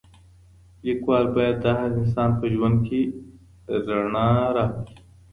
ليکوال بايد د هر انسان په ژوند کي رڼا راولي.